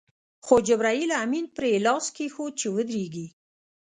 خو جبرائیل امین پرې لاس کېښود چې ودرېږي.